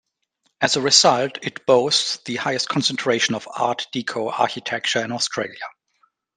As a result, it boasts the highest concentration of Art Deco architecture in Australia.